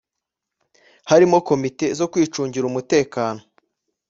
harimo komite zo kwicungira umutekano